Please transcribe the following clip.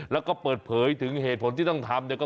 แล้วก็เปิดผลเลยถึงเขตผลที่ต้องทำ